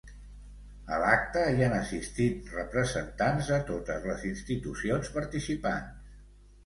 A l'acte hi han assistit representants de totes les institucions participants.